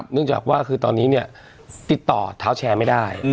เนื่องจากว่าคือตอนนี้ติดต่อเท้าแชร์ไม่ได้